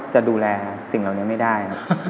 จะดูแลสิ่งเหล่านี้ไม่ได้ครับ